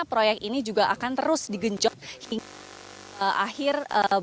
proyek ini juga akan terus digenjot hingga akhir